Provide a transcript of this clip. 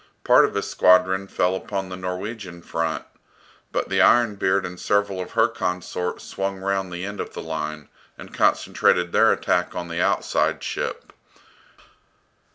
Part of his squadron fell upon the Norwegian front; but the "Iron Beard" and several of her consorts swung round the end of the line, and concentrated their attack on the outside ship.